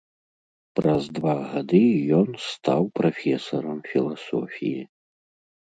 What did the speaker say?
Праз два гады ён стаў прафесарам філасофіі.